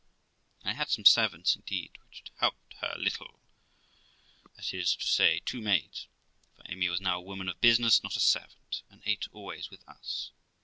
I had some servants indeed, which helped her off a little; that is to say, two maids, for Amy was now a woman of business, not a servant, and ate always with us.